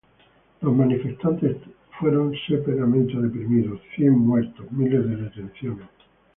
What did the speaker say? Los manifestantes están severamente reprimidos: cien muertos, miles de detenciones.